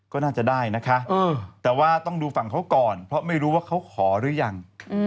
ก็น่าจะได้นะคะแต่ว่าต้องดูฝั่งเขาก่อนเพราะไม่รู้ว่าเขาขอหรือยัง